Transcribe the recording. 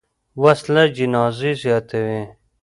وسله جنازې زیاتوي